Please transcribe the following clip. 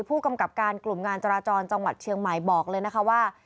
ผู้กำกับการกลุ่มงานจราจรจังหวัดเชียงใหม่บอกเลยนะคะว่า